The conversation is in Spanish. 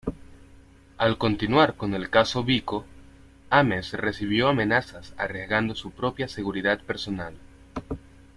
Al continuar con el caso Biko, Ames recibió amenazas arriesgando su propia seguridad personal.